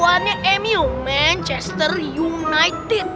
jagoannya emil manchester united